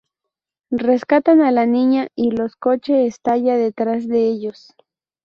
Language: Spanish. Rescatan a la niña, y los coche estalla detrás de ellos.